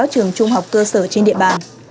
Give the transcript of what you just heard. trung học cơ sở trên địa bàn